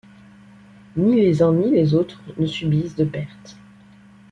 Ni les uns ni les autres ne subissent de pertes.